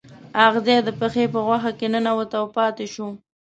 اغزی د پښې په غوښه کې ننوت او پاتې شو.